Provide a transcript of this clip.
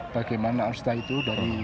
bagaimana alur susita itu dari